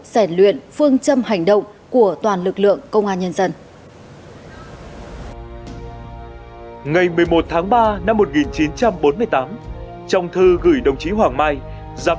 giải luyện phương châm hành động của tổng thống